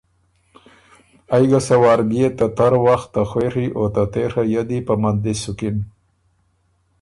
ائ ګه سۀ وار بيې ته تر وخت ته خوېڒی او ته تېڒه یدی په مندلس سُکن۔